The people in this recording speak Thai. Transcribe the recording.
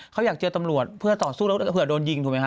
เขาอยากเจอตำรวจเพื่อต่อสู้แล้วเผื่อโดนยิงถูกไหมฮ